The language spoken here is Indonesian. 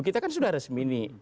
kita kan sudah resmi nih